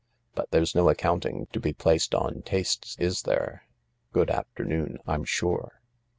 But there's no accounting to be placed on tastes, is there ? Good afternoon, I'm sure."